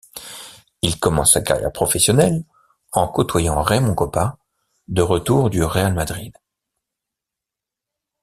Il commence sa carrière professionnelle en côtoyant Raymond Kopa de retour du Real Madrid.